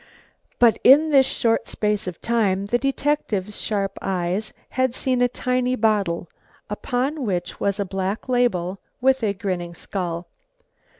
But in this short space of time the detective's sharp eyes had seen a tiny bottle upon which was a black label with a grinning skull.